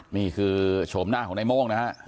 นี่คือโฉมหน้าของในโม่งนะครับ